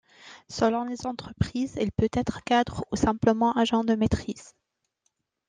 Selon les entreprises, il peut être cadre, ou simplement Agent de maîtrise.